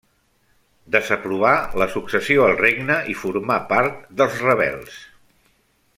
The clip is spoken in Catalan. Desaprovà la successió al regne i formà part dels rebels.